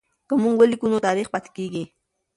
که موږ ولیکو نو تاریخ پاتې کېږي.